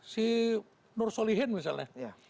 si nur solihin misalnya